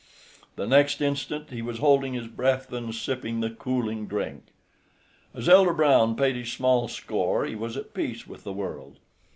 The next instant he was holding his breath and sipping the cooling drink. As Elder Brown paid his small score he was at peace with the world.